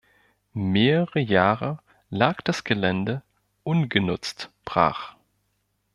Mehrere Jahre lag das Gelände ungenutzt brach.